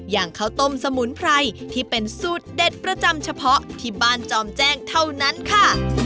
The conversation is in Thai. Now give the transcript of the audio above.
อย่างข้าวต้มสมุนไพรที่เป็นสูตรเด็ดประจำเฉพาะที่บ้านจอมแจ้งเท่านั้นค่ะ